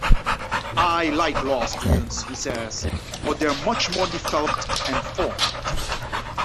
'I like law students,' he says, 'but they're much more developed and formed.